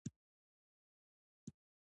د لښتې شنې سترګې له اوښکو ډکې شوې.